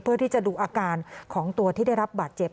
เพื่อที่จะดูอาการของตัวที่ได้รับบาดเจ็บ